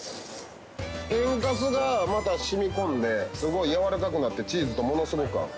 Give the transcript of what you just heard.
天かすがまた染み込んですごいやわらかくなってチーズとものすごく合う。